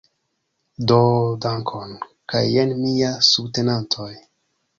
Do dankon kaj jen mia subtenantoj